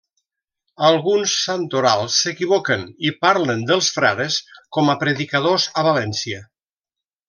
Alguns santorals s'equivoquen i parlen dels frares com a predicadors a València.